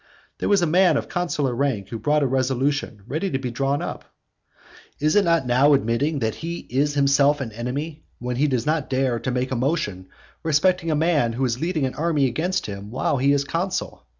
There was a man of consular rank who had brought a resolution ready drawn up. Is it not now admitting that he is himself an enemy, when he does not dare to make a motion respecting a man who is leading an army against him while he is consul?